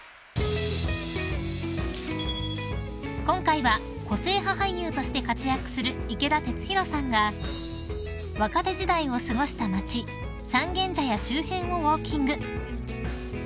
［今回は個性派俳優として活躍する池田鉄洋さんが若手時代を過ごした街三軒茶屋周辺をウオーキング］